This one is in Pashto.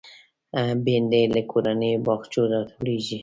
بېنډۍ له کورنیو باغچو راټولېږي